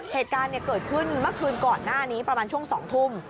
เหตุการณ์เกิดขึ้นเมื่อคืนก่อนหน้านี้ประมาณช่วง๒ทุ่ม